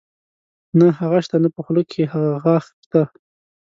نۀ هغه شته نۀ پۀ خولۀ کښې هغه غاخ شته